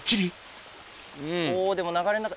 おでも流れの中。